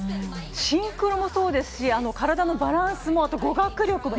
シンクロもそうですし、体のバランスも、そして語学力も。